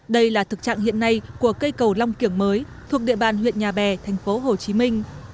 đây là thực trạng hiện nay của cây cầu long kiểng mới thuộc địa bàn huyện nhà bè thành phố hồ chí minh